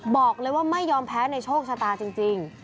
บอกเลยว่าไม่ยอมแพ้ในโชคชะตาจริง